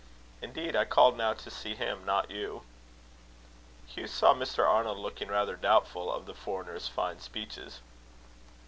Indeed, I called now to see him, not you." Hugh saw Mr. Arnold looking rather doubtful of the foreigner's fine speeches.